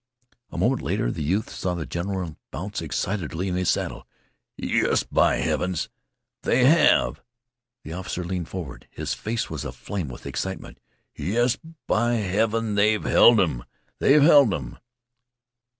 A moment later the youth saw the general bounce excitedly in his saddle. "Yes, by heavens, they have!" The officer leaned forward. His face was aflame with excitement. "Yes, by heavens, they 've held 'im! They 've held 'im!"